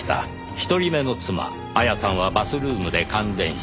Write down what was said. １人目の妻亞矢さんはバスルームで感電死。